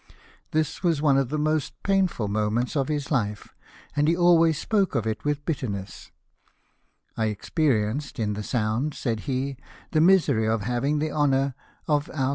This was one of the most painful moments of his hfe, and he always spoke of it with bitterness. "I experienced in the Sound," said he, " the misery of having the honour of our BATTLE OF COPENHAGEN.